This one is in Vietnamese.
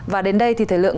và đến đây thì thời lượng